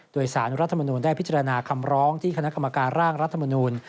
โดยสารรัฐมนูลได้พิจารณาคำร้องที่คณะกรรมการร่างรัฐมนูล